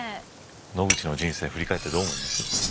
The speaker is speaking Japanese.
野口の人生振り返ってどう思います？